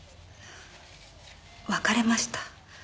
別れました。